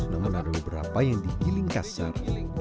namun ada beberapa yang digiling kasar